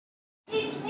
１２！